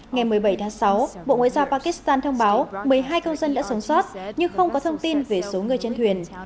ngày một mươi bảy tháng sáu bộ ngoại giao pakistan thông báo một mươi hai công dân đã sống sót nhưng không có thông tin về số người trên thuyền